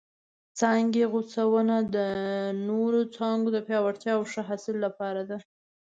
څانګې غوڅونه د نورو څانګو د پیاوړتیا او ښه حاصل لپاره ده.